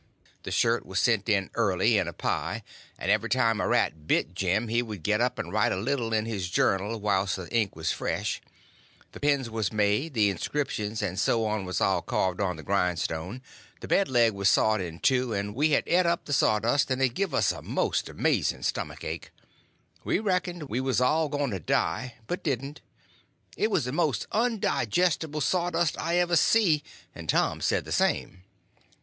The shirt was sent in early, in a pie, and every time a rat bit Jim he would get up and write a little in his journal whilst the ink was fresh; the pens was made, the inscriptions and so on was all carved on the grindstone; the bed leg was sawed in two, and we had et up the sawdust, and it give us a most amazing stomach ache. We reckoned we was all going to die, but didn't. It was the most undigestible sawdust I ever see; and Tom said the same.